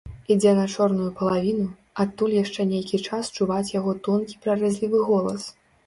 Ідзе на чорную палавіну, адтуль яшчэ нейкі час чуваць яго тонкі прарэзлівы голас.